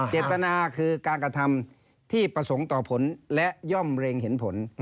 เจตนาคือการกระทำที่ประสงค์ต่อผลและย่อมเร็งเห็นผล